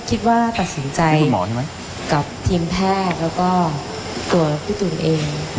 คิดว่าตัดสินใจกับทีมแพทย์แล้วก็ตัวพี่ตุ๋นเอง